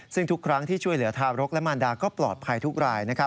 ซึ่งทุกครั้งที่ช่วยเหลือทารกและมารดาก็ปลอดภัยทุกราย